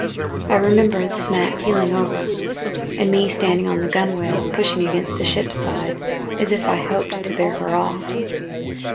I remember the smack heeling over, and me standing on the gunwale pushing against the ship's side as if I hoped to bear her off.